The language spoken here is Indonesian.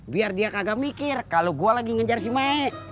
biar dia kagak mikir kalau gue lagi ngejar si maik